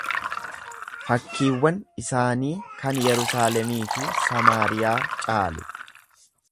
Fakkiiwwan isaanii kan Yerusaalemii fi Samaariyaa caalu.